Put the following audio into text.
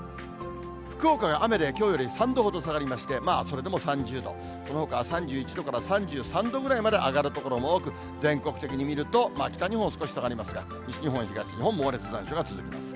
福岡が雨できょうより３度ほど下がりまして、それでも３０度、そのほかは３１度から３３度ぐらいまで上がる所も多く、全国的に見ると、北日本は少し下がりますが、西日本、東日本、猛烈な残暑が続きます。